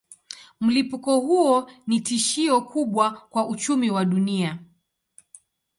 Mlipuko huo ni tishio kubwa kwa uchumi wa dunia.